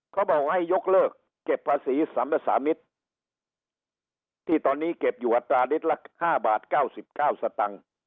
เขาบอกให้ยกเลิกเก็บภาษีสัมภาษามิตรที่ตอนนี้เก็บอยู่อัตราลิตรละ๕บาท๙๙สตังค์